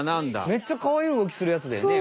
めっちゃかわいいうごきするやつだよね。